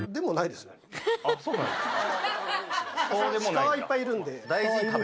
シカはいっぱいいるんで。